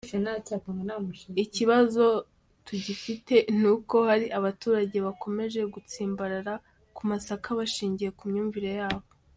Ikibazo tugifite ni uko hari abaturage bakomeje gutsimbarara ku masaka bishingiye ku myumvire yabo.